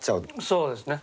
そうですね。